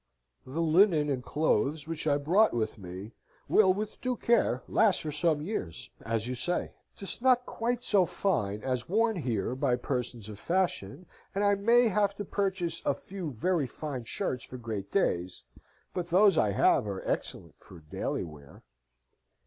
The linnen and clothes which I brought with me will with due care last for some years as you say. 'Tis not quite so fine as worn here by persons of fashion, and I may have to purchase a few very fine shirts for great days: but those I have are excellent for daily wear.